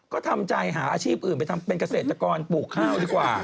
ก็ทำใจหาอาชีพอื่นไปทำเป็นเกษตรกรปลูกข้าวดีกว่า